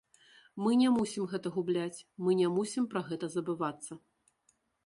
Мы не мусім гэта губляць, мы не мусім пра гэта забывацца.